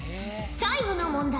最後の問題